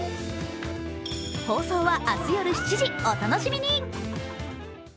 放送は明日夜７時お楽しみに！